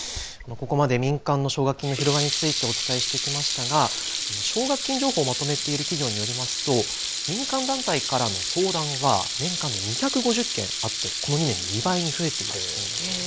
ここまで民間の奨学金の広がりについてお伝えしてきましたが奨学金情報をまとめている企業によると民間団体からの相談は年間で２５０件あってこの２年で２倍に増えているそうなんです。